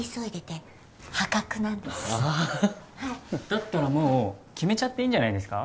だったらもう決めちゃっていいんじゃないですか？